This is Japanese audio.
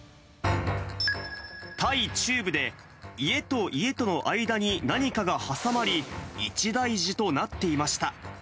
タイ中部で、家と家との間に何かが挟まり、一大事となっていました。